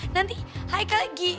nanti haikal lagi